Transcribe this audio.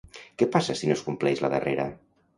Què passa si no es compleix la darrera?